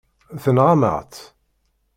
Tenɣam-aɣ-tt.